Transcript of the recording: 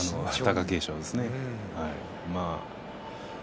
貴景勝ですね。